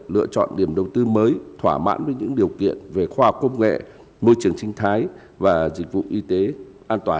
lựa chọn điểm đầu tư mới thỏa mãn với những điều kiện về khoa học công nghệ môi trường sinh thái và dịch vụ y tế an toàn